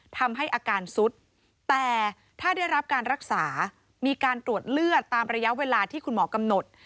ทำให้อาการสุดแต่ถ้าได้รับการรักษามีการตรวจเลือดตามระยะเวลาที่คุณหมอกำหนด